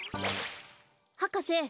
博士